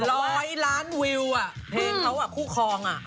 ร้อยล้านวิวอ่ะเพลงเขาอ่ะคู่คลองอ่ะ